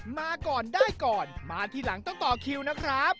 มาก่อนได้ก่อนมาทีหลังต้องต่อคิวนะครับ